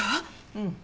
うん。